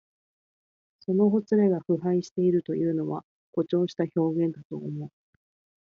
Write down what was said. そのほつれが腐敗しているというのは、誇張した表現だと思う。